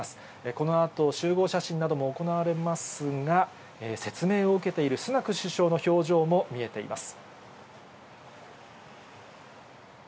このあと集合写真なども行われますが、説明を受けているスナク首相の表情も見えています。